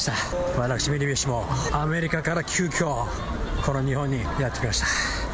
私、ミニビッシュもアメリカから急きょ、この日本にやって来ました。